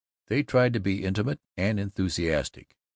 They tried to be intimate and enthusiastic.